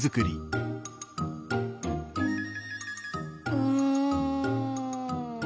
うん。